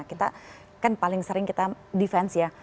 kita kan paling sering kita defense ya